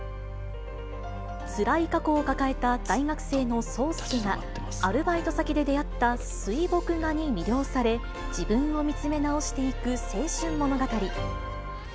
つらい過去を抱えた大学生の霜介が、アルバイト先で出会った水墨画に魅了され、自分を見つめ直していく青春物語。